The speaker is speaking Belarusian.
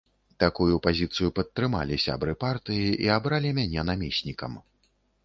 Такую пазіцыю падтрымалі сябры партыі і абралі мяне намеснікам.